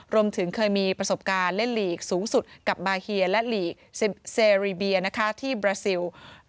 รวมถึงเคยมีประสบการณ์เล่นลีกสูงสุดกับบาเฮียและเซรีเบียที่บราซิล